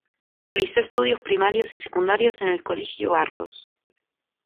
Realizó estudios primarios y secundarios en el Colegio Barros.